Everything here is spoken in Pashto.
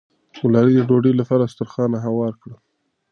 ګلالۍ د ډوډۍ لپاره دسترخوان هوار کړ.